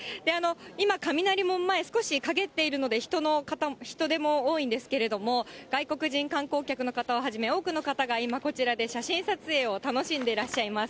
今、雷門前、少しかげっているので、人出も多いんですけれども、外国人観光客の方をはじめ、多くの方が今、こちらで写真撮影を楽しんでいらっしゃいます。